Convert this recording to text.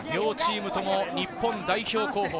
両チームとも日本代表候補。